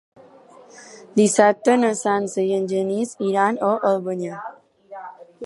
Dissabte na Sança i en Genís iran a Albanyà.